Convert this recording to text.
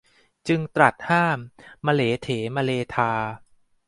จึงตรัสห้ามมะเหลเถมะเลทา